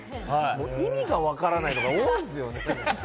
意味がわからないのが多いですよね。